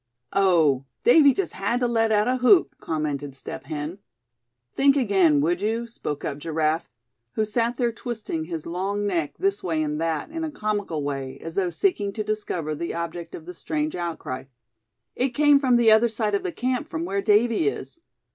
"Oh! Davy just had to let out a whoop!" commented Step Hen. "Think again, would you," spoke up Giraffe, who sat there twisting his long neck this way and that, in a comical way, as though seeking to discover the object of the strange outcry; "it came from the other side of the camp from where Davy is."